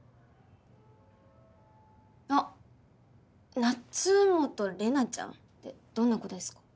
あっ夏本レナちゃんってどんな子ですか？